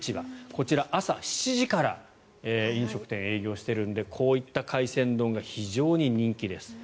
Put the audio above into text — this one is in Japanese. こちら、朝７時から飲食店、営業しているのでこういった海鮮丼が非常に人気です。